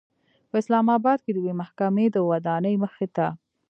په اسلام آباد کې د یوې محکمې د ودانۍمخې ته